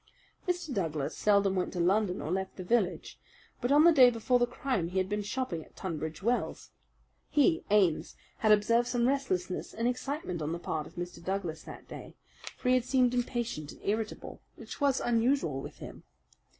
Mr. Douglas seldom went to London or left the village; but on the day before the crime he had been shopping at Tunbridge Wells. He (Ames) had observed some restlessness and excitement on the part of Mr. Douglas that day; for he had seemed impatient and irritable, which was unusual with him.